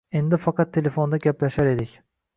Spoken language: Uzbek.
Endi faqat telefonda gaplashar edik